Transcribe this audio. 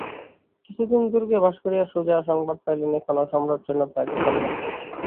কিছুদিন দুর্গে বাস করিয়া সুজা সংবাদ পাইলেন এখনো সম্রাটসৈন্য তাঁহাকে সন্ধান করিতেছে।